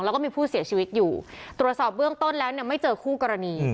แล้วก็มีผู้เสียชีวิตอยู่ตรวจสอบเบื้องต้นแล้วเนี่ยไม่เจอคู่กรณี